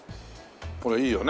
これいいよね